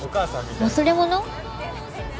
忘れ物？